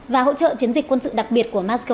và hỗ trợ chiến dịch quân sự đặc biệt của moscow